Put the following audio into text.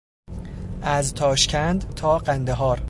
از تاشکند تا قندهار